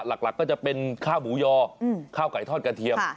หลักก็จะเป็นข้าวหมูยอข้าวไก่ทอดกระเทียม